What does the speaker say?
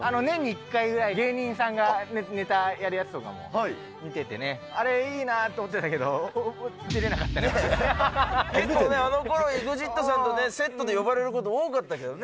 年に１回ぐらい、芸人さんがネタやるやつ見ててね、あれ、いいなと思ってたけど、結構ね、あのころＥＸＩＴさんとセットで呼ばれること多かったけどね。